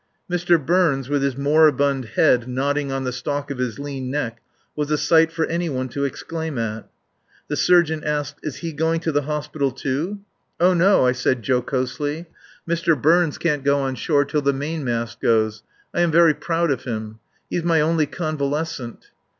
Mr. Burns with his moribund head nodding on the stalk of his lean neck was a sight for any one to exclaim at. The surgeon asked: "Is he going to the hospital, too?" "Oh, no," I said jocosely. "Mr. Burns can't go on shore till the mainmast goes. I am very proud of him. He's my only convalescent."